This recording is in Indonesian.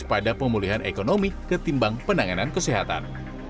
pada pemulihan ekonomi ketimbang penanganan kesehatan